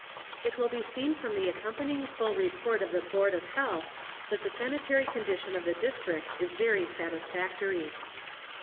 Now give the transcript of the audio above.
It will be seen from the accompanying full report of the board of health that the sanitary condition of the District is very satisfactory.